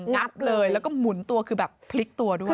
งับเลยแล้วก็หมุนตัวคือแบบพลิกตัวด้วย